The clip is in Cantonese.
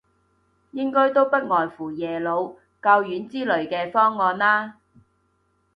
應該都不外乎耶魯、教院之類嘅方案啦